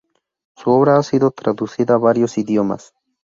Su obra ha sido traducida a varios idiomas.